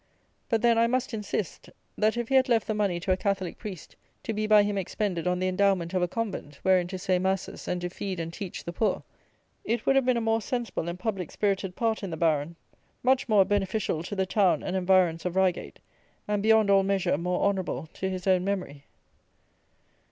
But, then, I must insist, that, if he had left the money to a Catholic priest, to be by him expended on the endowment of a convent, wherein to say masses and to feed and teach the poor, it would have been a more sensible and public spirited part in the Baron, much more beneficial to the town and environs of Reigate, and beyond all measure more honourable to his own memory.